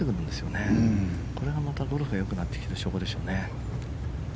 これがまたゴルフがよくなってきている証拠でしょうね。